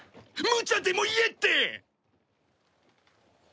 むちゃでも言えって！